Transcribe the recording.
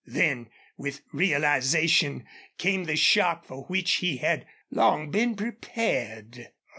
Then, with realization, came the shock for which he had long been prepared.